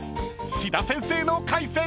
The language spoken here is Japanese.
志田先生の解説］